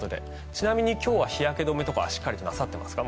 ちなみに今日は日焼け止めとかはしっかりとなさっていますか？